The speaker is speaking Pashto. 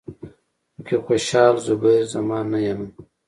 پکې خوشال، زبیر زمان نه یمه